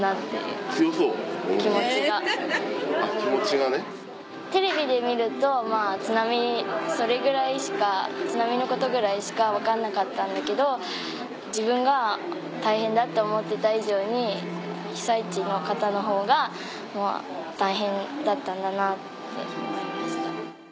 ・気持ちがね・テレビで見ると津波のことぐらいしか分かんなかったんだけど自分が大変だって思ってた以上に被災地の方のほうが大変だったんだなって思いました。